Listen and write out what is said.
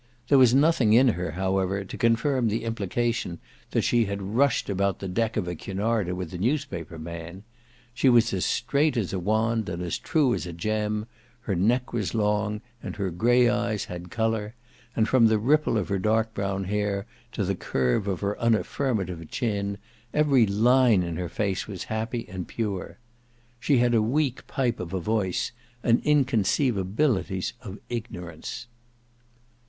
There was nothing in her, however, to confirm the implication that she had rushed about the deck of a Cunarder with a newspaper man. She was as straight as a wand and as true as a gem; her neck was long and her grey eyes had colour; and from the ripple of her dark brown hair to the curve of her unaffirmative chin every line in her face was happy and pure. She had a weak pipe of a voice and inconceivabilities of ignorance.